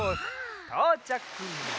とうちゃく。